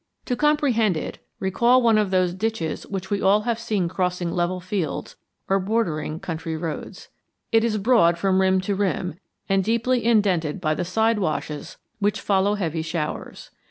To comprehend it, recall one of those ditches which we all have seen crossing level fields or bordering country roads. It is broad from rim to rim and deeply indented by the side washes which follow heavy showers.